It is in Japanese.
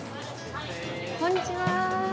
こんにちは。